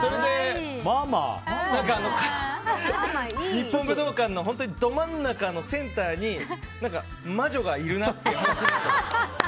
日本武道館のど真ん中のセンターに魔女がいるなってなって。